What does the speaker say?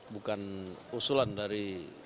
bukan usulan dari